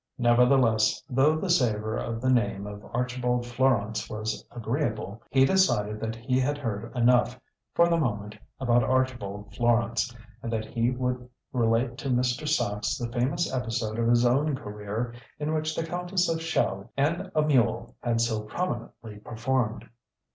Nevertheless, though the savour of the name of Archibald Florance was agreeable, he decided that he had heard enough for the moment about Archibald Florance, and that he would relate to Mr. Sachs the famous episode of his own career in which the Countess of Chell and a mule had so prominently performed.